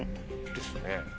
ですね。